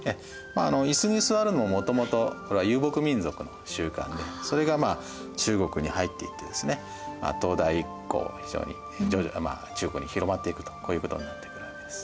椅子に座るのはもともとこれは遊牧民族の習慣でそれが中国に入っていってですね唐代以降非常に徐々に中国に広まっていくとこういうことになってくるわけです。